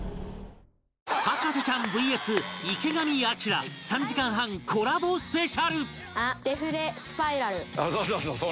博士ちゃん ＶＳ 池上彰３時間半コラボスペシャル！